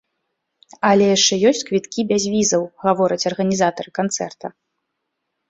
Але яшчэ ёсць квіткі без візаў, гавораць арганізатары канцэрта.